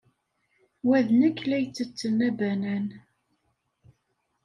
Wa d nekk la yettetten abanan.